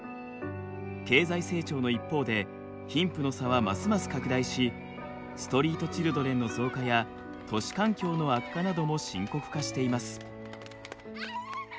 経済成長の一方で貧富の差はますます拡大しストリートチルドレンの増加や都市環境の悪化なども深刻化しています。